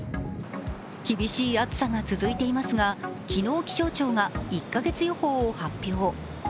厳しい暑さが続いていますが昨日、気象庁が１か月予報を発表。